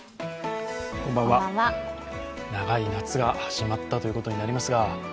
長い夏が始まったということになりますが、